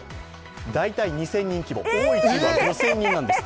大体２０００人規模、多いチームは５０００人なんですって。